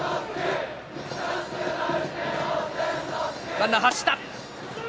ランナー、走った。